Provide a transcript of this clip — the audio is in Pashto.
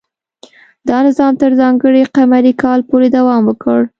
دا نظام تر ځانګړي قمري کال پورې دوام وکړ.